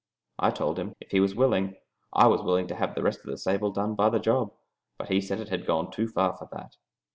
I told him, if he was willing, I was willing to have the rest of the stable done by the job, but he said it had gone too far for that.